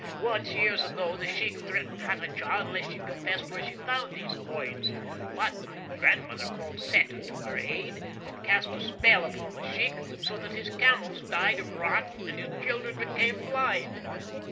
Once, years ago, the sheik threatened Hatatcha unless she confessed where she had found these coins; but my grandmother called Set to her aid, and cast a spell upon the sheik, so that his camels died of rot and his children became blind.